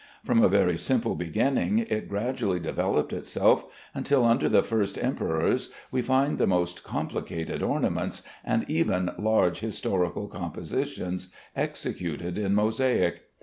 From a very simple beginning it gradually developed itself, until under the first emperors we find the most complicated ornaments, and even large historical compositions, executed in mosaic.